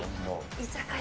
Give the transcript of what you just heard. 居酒屋？